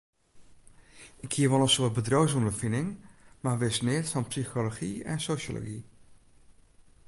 Ik hie wol in soad bedriuwsûnderfining, mar wist neat fan psychology en sosjology.